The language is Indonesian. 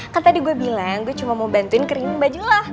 kan tadi gue bilang gue cuma mau bantuin keringin baju lah